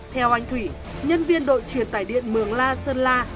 theo anh thủy nhân viên đội truyền tải điện mường la sơn la